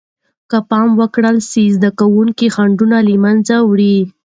که پام ورکړل سي، زده کوونکي خنډونه له منځه وړي.